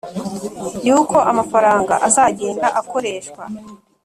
y'uko amafaranga azagenda akoreshwa.